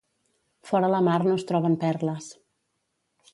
Fora la mar no es troben perles.